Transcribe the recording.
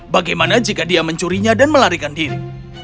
bagaimana jika dia mencurinya dan melarikan diri